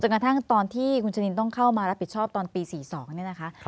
จนกระทั่งตอนที่คุณฉนินท์ต้องเข้ามาและผิดชอบตอนปี๑๙๔๒นี่นะคะ